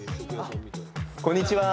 こんにちは。